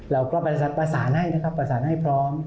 เราก็ประสานให้นะครับประสานให้พร้อม